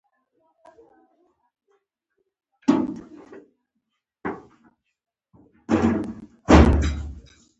مقاله د کمیسیون له خوا سیمینار ته ومنل شوه.